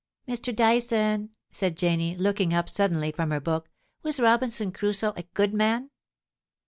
' Mr. Dyson,' said Janie, looking up suddenly from her book, * was Robinson Crusoe a good man